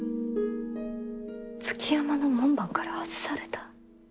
築山の門番から外された？